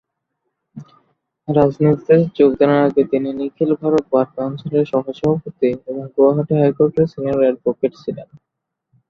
রাজনীতিতে যোগদানের আগে তিনি নিখিল ভারত বার কাউন্সিলের সহ সভাপতি এবং গুয়াহাটি হাইকোর্টের সিনিয়র অ্যাডভোকেট ছিলেন।